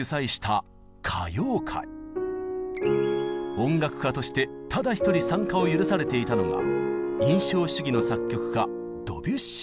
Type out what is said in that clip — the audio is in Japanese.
音楽家としてただ一人参加を許されていたのが印象主義の作曲家